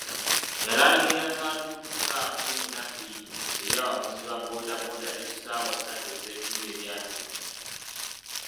Yalangirira kafiyu ku ssaawa kkumi na bbiri eri abavuzi ba boodabooda ne ssaawa ssatu ezeekiro eri ab’emmotoka.